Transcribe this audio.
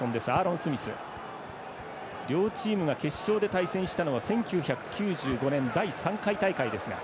両チームが決勝で対戦したのは１９９５年、第３回大会ですが。